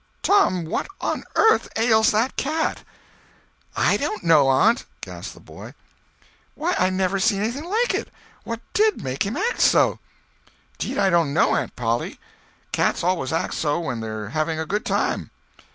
"Tom, what on earth ails that cat?" "I don't know, aunt," gasped the boy. "Why, I never see anything like it. What did make him act so?" "Deed I don't know, Aunt Polly; cats always act so when they're having a good time."